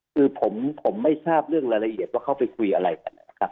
คือผมไม่ทราบเรื่องรายละเอียดว่าเขาไปคุยอะไรกันนะครับ